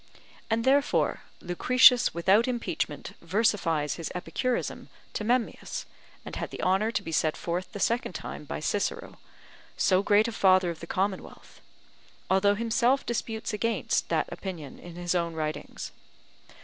And therefore Lucretius without impeachment versifies his Epicurism to Memmius, and had the honour to be set forth the second time by Cicero, so great a father of the Commonwealth; although himself disputes against that opinion in his own writings.